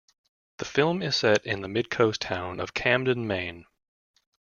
The film is set in the Mid-Coast town of Camden, Maine.